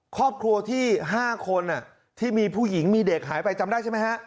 ครอบครัวที่๕คนที่มีผู้หญิงมีเด็กหายไปจำได้ใช่ไหมฮะ